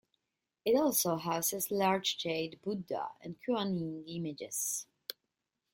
It also houses large jade Buddha and Kuan Yin images.